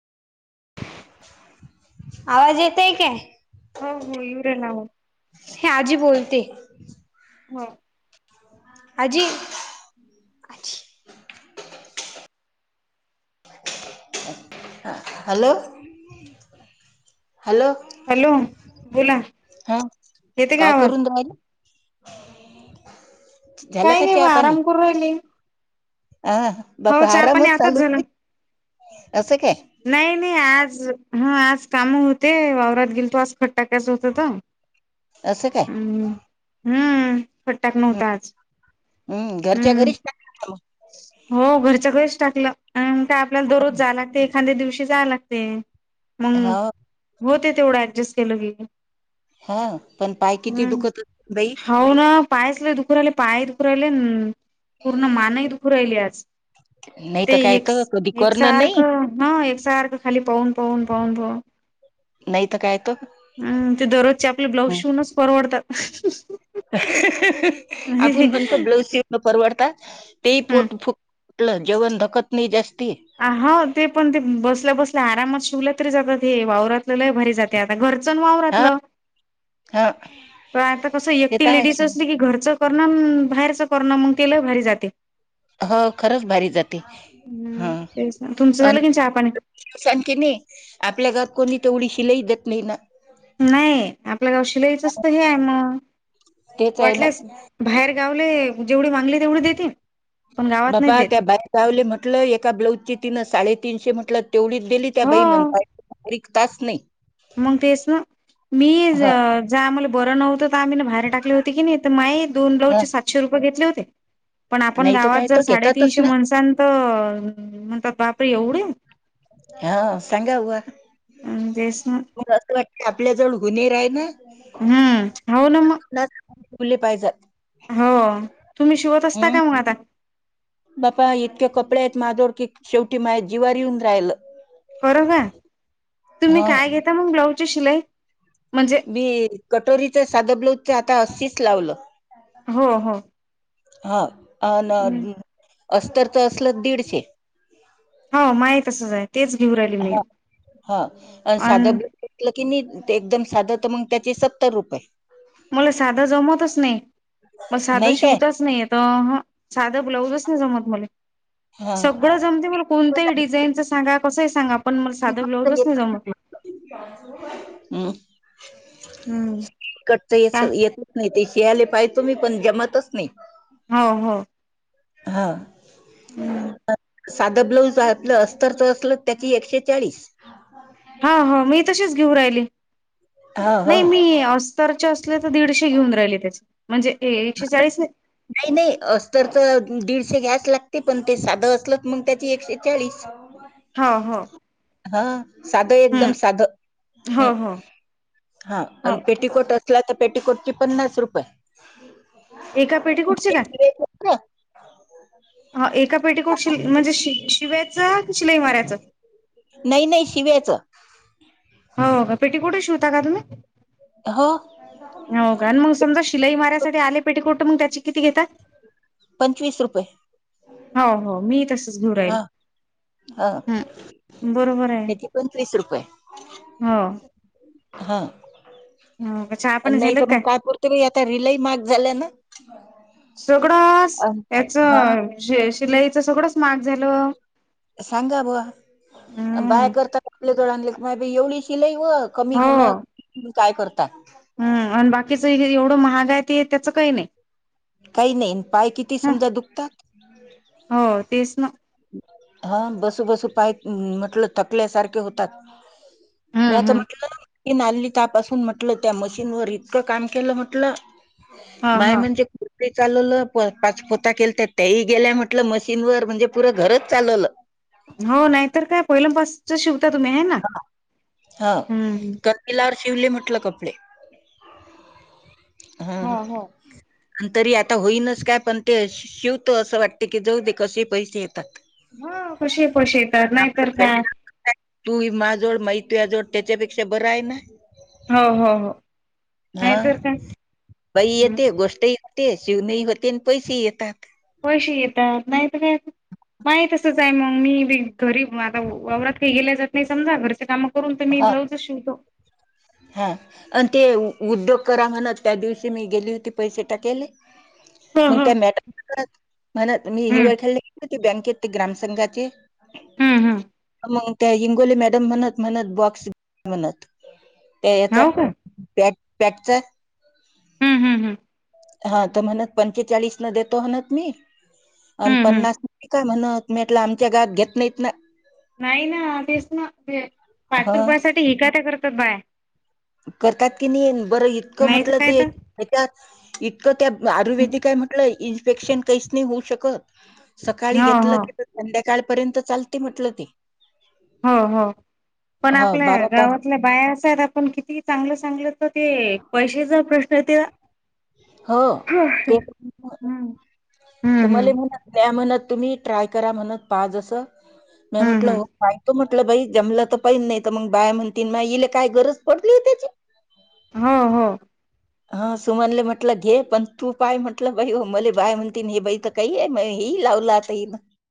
[unintelligible] आवाज येतय काय? होय होय, इन्द ना हो. हे आजी बोलते. हं. आजी [unintelligible] हालो. हॅलो हॅलो बोला हा येते का काय आवाज करून रायले. झाल काही का नाही छा बा पानी? आराम करू राहिली अ हो बापा चहा पाणी आरामच आताच झालं चालूते असं काय. नाही नाही आज हा आज काम होते वावरात गेलतो आज खत टाकायच होत त. असं काय हम् हम्म खत टाकणार नव्हतो आज. हम्म घरच्या घरीच का हो घरच्या घरीच टाकलं काय आपल्याला दररोज जायला लागते एखाद्यां दिवशी जायला लागते मग हा होते तेवढं ऍडजस्ट केलं की. हा पण पाय किती हम्म दुखत असतील बाई हाव ना पाय च लं दुखतो पुरा पाय दुखुन रायलेन पूर्ण मान ही राहिली आज नाही ते तर काय एकस तर कधी करणं नाही एकसारखं हा खाली पाहुन पाहुन पळून पळून पळून नाई तर काय? तर हम्म, ते दररोजचे आपले ब्लाऊज शिवूनच परवडतात. [unintelligible] [unintelligible] आपुण म्हणतो ब्लाऊज शिव परवडतात. ते हम् पोट फुटलं, जेवण धकत नाही जास्त आ हां, ते पण ते बसल्या बसल्या आरामात शिवल्या तरी जातात. हे वावरात लई भारी जातेय, घरच न‌ हा वावरातलं हा पण आता कसं ते तर एकटी आहेच लेडीज असली की घरच करण बाहेरच करण मग ते लई भारी जातेय. हो, खरंच भारी जात ते हम्म हा तेच ना तुमचं झालं अण की चहा पाणी [unintelligible] सांगते मी आप आपल्या घरात कोणी तेवढी शिलाई देत नाही ना. नाही आपलं गाव शिलाईचं ते हे आहे मग. तेच आहे ना वाटलंस बाहेर गावले जेवढी मागली तेवढी देते. पण गावात बाबा नाही देत त्या बाहेर गावले म्हटलं, एका ब्लाउजे तिनं साडेतीनशे म्हटलं. तेवढी दिली, त्या हो बाईन नंतर [unintelligible] नाही. मग, तेच ना मी ह ज- जेव्हा आम्हाला बरं नव्हतं तर आम्ही बाहेर टाकली होती किनी तर, माई दोन ह ब्लाऊजचे सातशे रुपये घेतले होते. पण आपण नाही तर काय गावात जर तर घेतातच साडेतीनशे ना माणसन तर म्हणतात बापरे! एवढे. हा, सांगावूआ तेच ना मग असं वाटत आपल्या जवळ [unintelligible] आहेत. हा, होना म. ठेवले पाहिजात. हो, तुम्ही शिवत असता हम्म का मग आता? बापा इतके कपडे आहेत, माजोवळ की शेवटी माझ्या जिवावर येऊन राहिलं. बरं का, तुम्ही ह काय घेता मग ब्लाउजची शिलाई? म्हणजे मी कटोरीच साधं ब्लाऊजच आता तीस लावलं. हो हो. हा, अन अस्तरचं असलं दीडशे. हो, माय तसंच आहे. तेच घेऊ राहिली मी हा हा, अन साधं ब्लाऊज असलं की नाही एकदम साधं तर मग त्याचे सत्तर रुपये. मला साधं जमतच नाही. मग साधं नाही काय शिवताच नाही येत. अहं साधं ब्लाऊजच नाही जमत मले. हा सगळं जमते मला कोणतंही डिझाईनचं सांगाल - कसं आहे सांग? हम्!. हम्म. कटच काय येतच नाही ते शियाले पाजे तु म्ही पण जमतच नाही. हो हो हा. साधं ब्लाऊजलं अस्तरच असलं त्याची एकशे चाळीस. हा हा, मी तशीच घेऊ राहिली. हा नाही, हो मी अस्तरचे असले तर, दीडशे घेऊन राहिले त्याचे. म्हणजे [unintelligible] ए- एकशे चाळीस नाही नाही, अस्तरचं दीडशे घ्यायचं लागते. ते पण, ते साधं असलं मग त्याचे एकशे चाळीस. हो हो. हा. साध हम्म एकदम साध हो ह हो हा हो. आणि पेटीकोट असला तर पेटीकोटचे पन्नास रुपये. एका पेटीकोटचे का? हा बोल. हा, एका पेटीकोट शि म्हणजे शिवायचं आणि शिलाई मारायचं. नाही नाही शिव्याचं. हो का? पेटीकोट ही शिवता का तुम्ही? हो हो का? मग समजा शिलाई मारा - आले पेटीकोट तर मग त्याचे किती घेतात? पंचवीस रुपये.. हो हो मी तसच घ हा राईल. हा हम बरोबर आहे त्याची पंचवीस रुपये हो. हा हो चहा पाणी नाही झालं तर मग काय करत आता रिलाई मार्क झाला ना. सगळं अन याच हा शिलाईच सगळंच मार्ग झाल. सांगा बवा. बाय हम्म करतात आपल्या [unintelligible] एवढी शिलाई. पण कमी घेणं काय करतात. हम् आणि बाकीच हे एवढं महाग आहे, ते त्याचं काही नाही. काही नाहीन पाय किती ह समजा दुखतात. हो तेच ना हा बसू बसू पाय म्हटलं थकल्यासारखे होतात. हम्म म्या त हम्म म्हटलं - की नाली त्यापासून म्हटलं त्या मशीनवरर इतकं काम केलं म्हटलं. हा माय हा म्हणजे खप. चालवलं पाच पोता केलं तर त्याही गेल्या म्हटलं मशीनवरर म्हणजे पुरं घरच चालवलं. हो नाहीतर काय पहिलंपासच शिव. ता तुम्ही आहे ना? ह हम्म. कंदिलावर शिवले म्हटलं कपडे. ह हा हा. आणि तरी आता होईनस काय पण ते शिवतो असं वाटते की जाऊ दे कसे पैसे येत. हा. कशे फसिवतात नाहीतर काय? तूई मा जोड माहित या जोड त्याच्यापेक्षा बरं आहे ना? हो हो हो. हा. नाहीतर काय बाई येते गोष्टही होते शिवणेही होते आणि पैसेही येतात. [unintelligible] माय तसच आहे मग, मी घरी आता वावरात काही गेल्या जात नाही समजा घरचे काम- करून तर मी ह ब्लाउजच शिवतो. हा आणि ते उद्योग करा म्हणत त्या दिवशी मी गेली होती पैसे टाकेलं हो - मग हो त्या मॅडम म्हणत मी हम्म हिव्या खाललीत. ते बँकेत ते ग्राम संंघाचे हम्म, हम्म. मग त्या हंगोले मॅडम म्हणत म्हणत बॉक्स म्हणत. त्या याच हो का पॅक पॅॅकचा हम्म, हम्म, हम्म. हा तर म्हणत पंचेचाळीस न देतो म्हणत मी आणि हम्म हम्म पन्नास विका. म्हणत आमच्या गात घेत नाहीत ना. नाही ना तेच ना. पाच ह रुपयासाठी हिकाटी करतात बाया. करतात की नाही? बरं इतकं नाहीत म्हटलं काय तर तेच्यात इतकं- त्या आयुर्वेदीिक काय म्हंटलं इन्फेक्शन काहीच नाही होऊ शकत. सकाळी हो घेतलं हो की संध्याकाळपर्यंत चालते म्हटल ते. हो हो पण ह आपल्या बारा तास गावातल्या बाया अश्या आहे ना? आपण किती चांगलं सांगितलं - ते पैशाचा प्रश्न आहे ते, हो ते हम्म हम्म तर मला म्हणत. त्या म्हणत- तुम्ही ट्राय करा म्हणत. पहा जस मी हम्म म्हटलं हम्म हो- आपलं बाई जमलं तर पहिन. नाही तर मग बाया म्हणतील माय हिले काय गरज पडलीए त्याची? हो हो. हा सुमनले म्हटलं घे पण तू पाय म्हटलं बाई हो मले बाय म्हणते हे बाई काही आहे- लावला आता ईन.